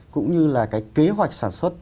cũng như là cái kế hoạch sản xuất